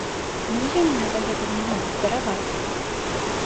Многія мне дагэтуль не могуць дараваць!